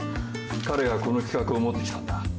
彼がこの企画を持ってきたんだ。